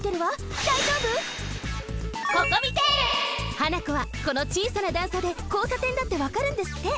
ハナコはこのちいさな段差でこうさてんだってわかるんですって！